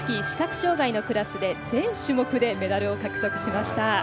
視覚障がいのクラスで全種目でメダルを獲得しました。